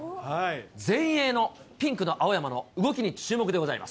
前衛のピンクの青山の動きに注目でございます。